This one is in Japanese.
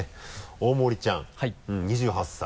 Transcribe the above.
大森ちゃん２８歳。